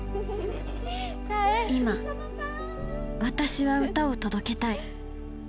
今私は歌を届けたい。